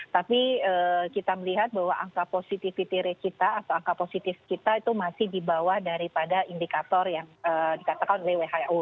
tapi kita melihat bahwa angka positif kita masih di bawah dari indikator yang dikatakan wwho